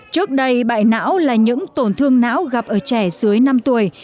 trước đây bại não là những tổn thương não gặp ở trẻ dưới năm tuổi